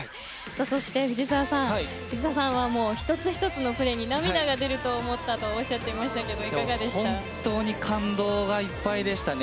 そして、藤澤さんは１つ１つのプレーに涙が出ると思ったとおっしゃっていましたが本当に感動がいっぱいでしたね。